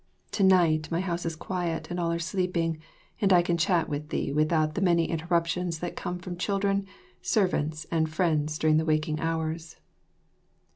To night my house is quiet and all are sleeping, and I can chat with thee without the many interruptions that come from children, servants, and friends during the waking hours.